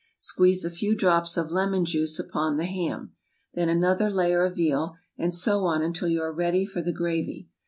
Squeeze a few drops of lemon juice upon the ham. Then another layer of veal, and so on until you are ready for the gravy.